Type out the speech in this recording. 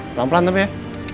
pelan pelan tapi ya